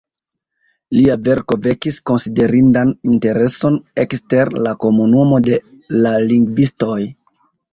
Lia verko vekis konsiderindan intereson ekster la komunumo de la lingvistoj.